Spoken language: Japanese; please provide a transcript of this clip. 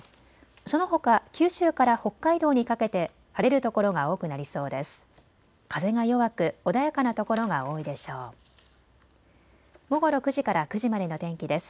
そのほか九州から北海道にかけて晴れるところが多くなりそうです。